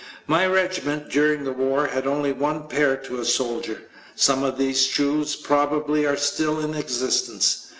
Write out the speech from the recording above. My regiment during the war had only one pair to a soldier. Some of these shoes probably are still in existence.